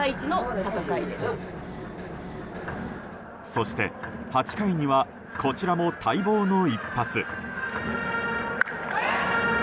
そして、８回にはこちらも待望の一発。